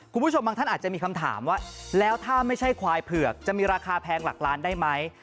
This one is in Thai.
คุณผู้ชมบางท่านอาจจะมีคำถามว่าแล้วถ้าไม่ใช่ควายเผือกจะมีราคาแพงหลักล้านได้ไหม